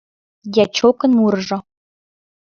Дьячокын мурыжо.